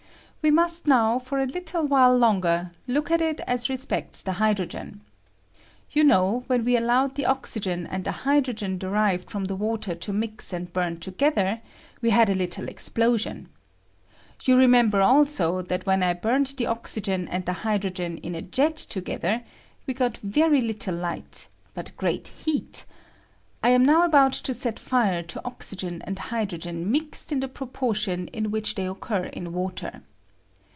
We must now, for a Httlo while longer, look at it as respects the hydro gen. You know, when we allowed the oxygen aad the hydrogen derived from the water to mix and hum together, we had a little explo sion. You remember also that when I burnt the oxygen and the hydrogen in a jet together, we got very little light, but great heat ; I am now about to set fire to oxygen and hydrogen mixed in the proportion in which they occur in water.